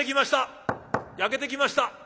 「焼けてきました。